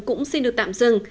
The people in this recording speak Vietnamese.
cũng xin được tạm dừng